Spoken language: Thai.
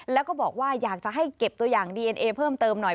แล้วก็บอกว่าอยากจะให้เก็บตัวอย่างดีเอ็นเอเพิ่มเติมหน่อย